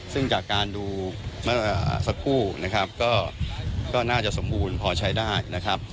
ซึ่งจากการดูเมื่อสักครู่นะครับก็น่าจะสมบูรณ์พอใช้ได้นะครับ